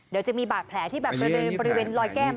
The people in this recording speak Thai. เดี๋ยวจะมีบาดแผลที่แบบบริเวณลอยแก้ม